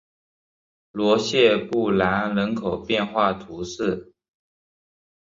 罗谢布兰人口变化图示